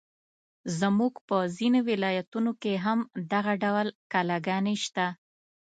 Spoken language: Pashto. زموږ په ځینو ولایتونو کې هم دغه ډول کلاګانې شته.